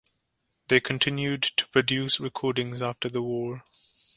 They continued to produce recordings after the war.